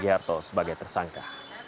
sugiharto sebagai tersangka